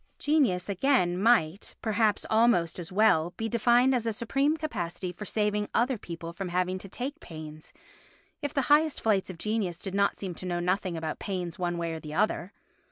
Genius, again, might, perhaps almost as well, be defined as a supreme capacity for saving other people from having to take pains, if the highest flights of genius did not seem to know nothing about pains one way or the other.